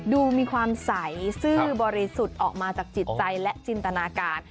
ดูมีความใสซื่อบริสุทธิ์ออกมาจากจิตใจและจินตนาการ